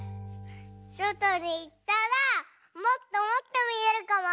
そとにいったらもっともっとみえるかも！